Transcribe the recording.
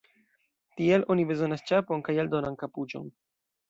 Tial oni bezonas ĉapon kaj aldonan kapuĉon.